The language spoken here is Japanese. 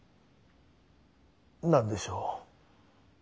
何でしょう？